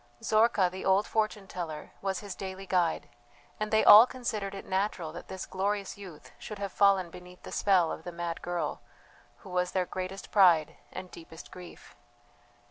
Zorka, the old fortune teller, was his daily guide; and they all considered it natural that this glorious youth should have fallen beneath the spell of the mad girl, who was their greatest pride and deepest grief.